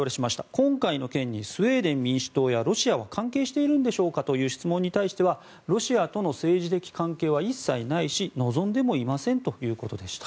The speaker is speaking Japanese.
今回の件にスウェーデン民主党やロシアは関係しているんでしょうかという質問に対してはロシアとの政治的関係は一切ないし望んでもいませんということでした。